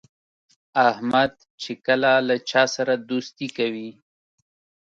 احمد چې کله له چا سره دوستي کوي،